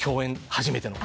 初めての。